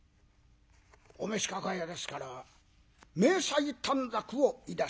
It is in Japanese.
お召し抱えですから明細短冊をいだします。